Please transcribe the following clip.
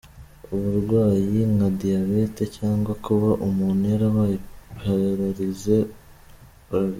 Uburwayi nka diyabeti cyangwa kuba umuntu yarabaye pararize ’Paralyse".